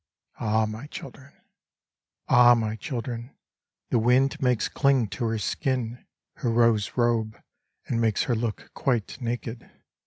Ah I my children I Ah I my children I the wind makes cling to her skin Her rose robe, and makes her look quite naked.